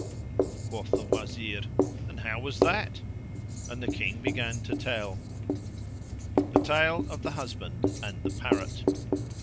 Quoth the Wazir, "And how was that?" And the King began to tell The Tale of the Husband and the Parrot.